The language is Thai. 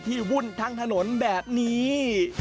ที่วุ่นทางถนนแบบนี้